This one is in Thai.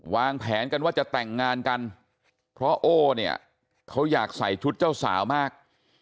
วางแผนกันว่าจะแต่งงานกันเพราะโอ้เนี่ยเขาอยากใส่ชุดเจ้าสาวมาก